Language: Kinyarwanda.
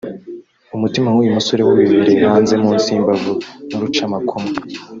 umutima w’uyu musore wo wibereye hanze munsi y’imbavu n’urucamakoma